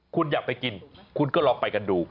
คุณอยากไปกินคุณก็ลองไปกันดู